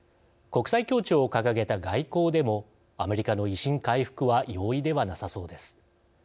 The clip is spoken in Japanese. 国際協調を掲げた外交でもアメリカの威信回復は容易ではなさそうです。